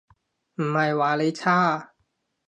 唔係話你差